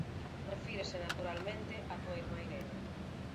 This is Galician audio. Refírese naturalmente a túa irmá Irene.